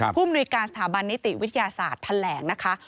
มนุยการสถาบันนิติวิทยาศาสตร์แถลงนะคะ